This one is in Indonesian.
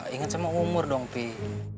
ingat sama umur dong pik